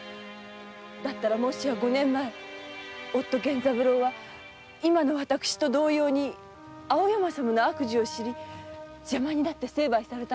だったらもしや五年前夫・源三郎は今の私と同様に青山様の悪事を知り邪魔になって成敗されたのではないかと。